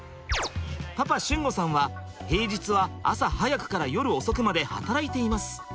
パパ駿吾さんは平日は朝早くから夜遅くまで働いています。